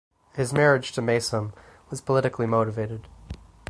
His marriage to Maysum was politically motivated.